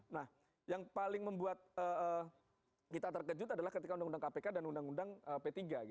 nah yang paling membuat kita terkejut adalah ketika undang undang kpk dan undang undang p tiga